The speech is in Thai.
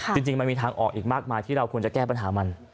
จริงมันมีทางออกอีกมากมายที่เราควรจะแก้ปัญหามัน